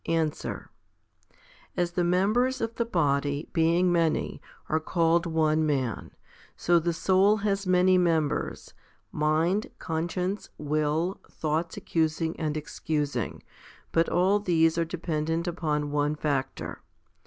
Answer. As the members of the body, being many, are called one man, so the soul has many members, mind, con science, will, thoughts accusing and excusing,* but all these are dependent upon one factor.